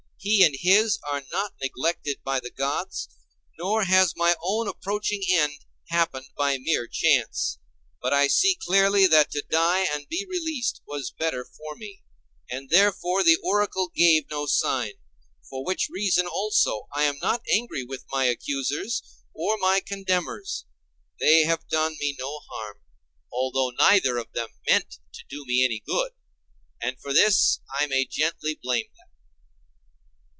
He and his are not neglected by the gods; nor has my own approaching end happened by mere chance. But I see clearly that to die and be released was better for me; and therefore the oracle gave no sign. For which reason also, I am not angry with my accusers, or my condemners; they have done me no harm, although neither of them meant to do me any good; and for this I may gently blame them.